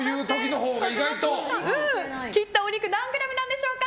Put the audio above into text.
切ったお肉は何グラムでしょうか。